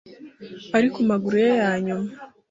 Ari kumaguru ye yanyuma.